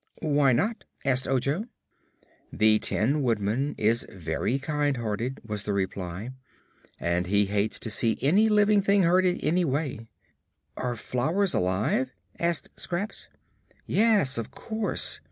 "Why not?" asked Ojo. "The Tin Woodman is very kind hearted," was the reply, "and he hates to see any living thing hurt in any way." "Are flowers alive?" asked Scraps. "Yes, of course.